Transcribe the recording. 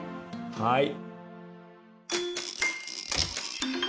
はい。